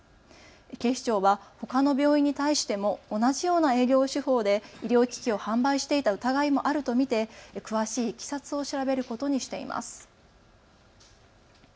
警視庁はほかの病院に対しても同じような営業手法で医療機器を販売していた疑いもあると見て詳しいいきさつを調べることにしています。